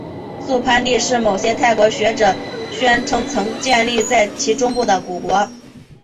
素攀地是某些泰国学者宣称曾经建立在其中部的古国。